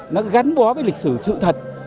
nó gắn bó với lịch sử sự thật